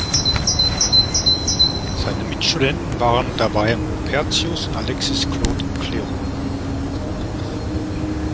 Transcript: Seine Mitstudenten waren dabei Maupertuis und Alexis-Claude Clairaut.